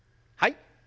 はい。